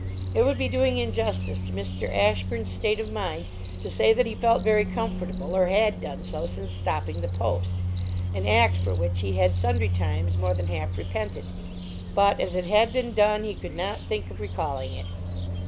It would be doing injustice to Mr. Ashburn's state of mind to say that he felt very comfortable, or had done so, since stopping the "Post," an act for which he had sundry times more than half repented. But, as it had been done, he could not think of recalling it.